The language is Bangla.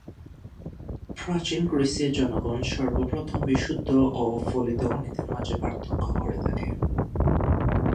প্রাচীন গ্রীসের জনগণ সর্বপ্রথম বিশুদ্ধ ও ফলিত গণিতের মাঝে পার্থক্য করে থাকে।